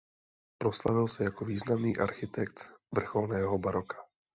Proslavil se jako významný architekt vrcholného baroka.